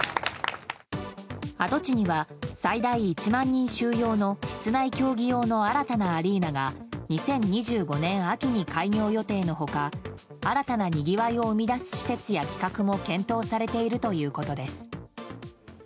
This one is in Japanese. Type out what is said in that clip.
跡地には、最大１万人収容の室内競技用の新たなアリーナが２０２５年秋に開業予定の他新たなにぎわいを生み出す施設や企画も検討されているということです。